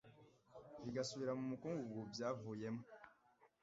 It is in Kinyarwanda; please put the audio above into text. bigasubira mu mukungugu byavuyemo